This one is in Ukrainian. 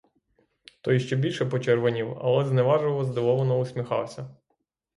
Той ще більше почервонів, але зневажливо здивовано усміхався.